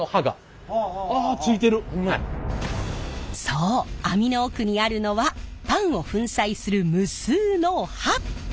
そう網の奥にあるのはパンを粉砕する無数の刃！